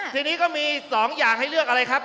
ทีนี้ก็มี๒อย่างให้เลือกอะไรครับ